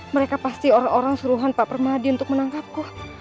mereka pasti orang orang suruhan pak permadi untuk menangkapku